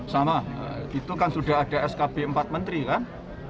sama itu kan sudah ada skb empat menteri kan